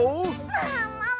ももも！わ！